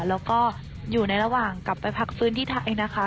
แล้วก็อยู่ในระหว่างกลับไปพักฟื้นที่ไทยนะคะ